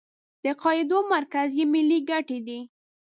د قاعدو مرکز یې ملي ګټې دي.